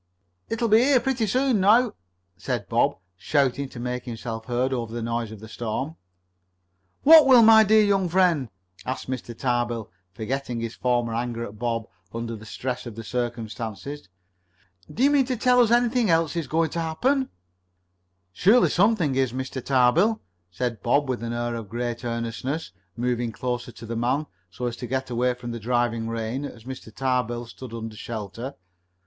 "It'll be here pretty soon now," said Bob, shouting to make himself heard above the noise of the storm. "What will, my dear young friend?" asked Mr. Tarbill, forgetting his former anger at Bob under the stress of the circumstances. "Do you mean to tell us anything else is going to happen?" "Something surely is, Mr. Tarbill," said Bob, with an air of great earnestness, moving closer to the man, so as to get away from the driving rain, as Mr. Tarbill stood under shelter.